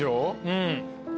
うん。